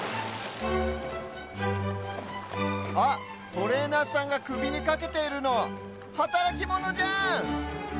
あっトレーナーさんがくびにかけているのはたらきモノじゃん！